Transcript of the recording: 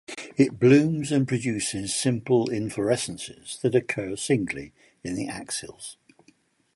It blooms and produces simple inflorescences that occur singly in the axils.